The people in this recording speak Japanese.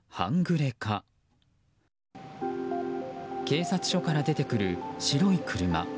警察署から出てくる白い車。